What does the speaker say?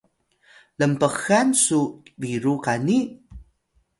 lnpxan su biru qani?